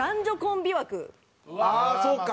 ああそっか！